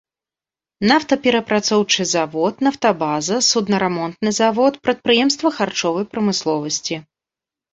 Нафтаперапрацоўчы завод, нафтабаза, суднарамонтны завод, прадпрыемства харчовай прамысловасці.